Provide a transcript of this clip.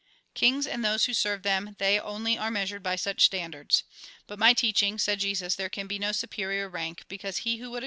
Kings and those who serve them, they only are measured by such standards. By my teaching, said Jesus, there can be no superior rank, because he who would e.